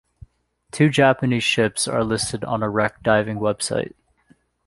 Two Japanese ships are listed on a wreck diving website.